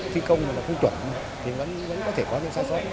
thi công là cũng chất lượng